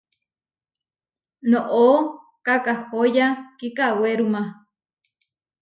Noʼó kakahóya kikawéruma.